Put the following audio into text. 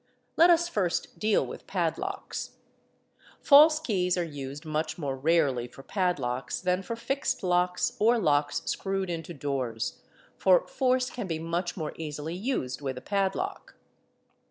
Let us first deal with padlocks; false keys are used much more rarely for padlocks than for fixed locks or locks screwed into doors, for force can be much more easily used with a padlock.